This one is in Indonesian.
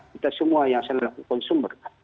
kita semua yang selalu konsumer